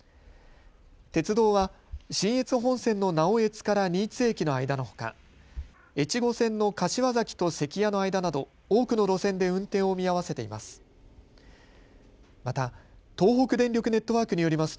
鉄道は信越本線の直江津から新津駅の間のほか、越後線の柏崎と関屋の間など多くの路線で運転を見合わせています。